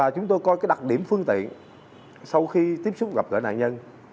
chúng tôi coi đặc điểm phương tiện sau khi tiếp xúc gặp gỡ nạn nhân